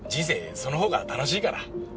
そのほうが楽しいから。